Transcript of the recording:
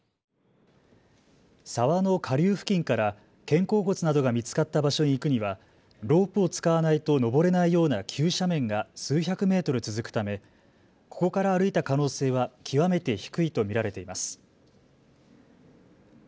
沢の下流付近から肩甲骨などが見つかった場所に行くにはロープを使わないと登れないような急斜面が数百メートル続くためここから歩いた可能性は極めて低いと見られています。